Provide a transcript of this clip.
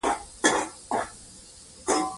که طالب العلم د علم د زده کړې